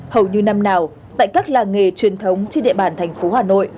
hầu như năm nào tại các làng nghề truyền thống trên địa bàn thành phố hà nội